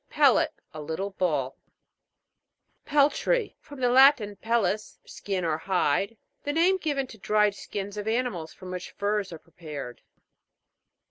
PEL' LET. A little ball. PEL'TRY. From the Latin, pellis, skin or hide. The name given to dried skins of animals from which furs are prepared.